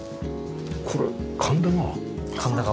これ神田川？